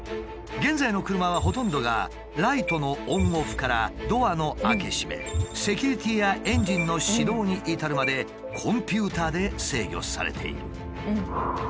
現在の車はほとんどがライトのオン・オフからドアの開け閉めセキュリティーやエンジンの始動に至るまでコンピューターで制御されている。